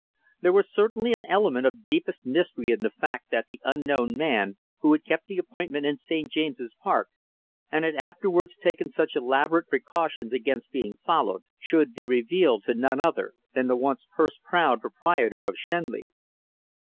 There was certainly an element of deepest mystery in the fact that the unknown man who had kept the appointment in St. James's Park, and had afterwards taken such elaborate precautions against being followed, should be revealed to be none other than the once purse proud proprietor of Shenley.